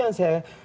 kan gak pernah